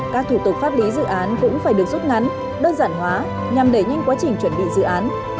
các thủ tục pháp lý dự án cũng phải được rút ngắn đơn giản hóa nhằm đẩy nhanh quá trình chuẩn bị dự án